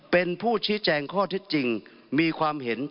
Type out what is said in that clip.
เป็นผู้ชี้แจงข้อเท็จจริงมีความเห็น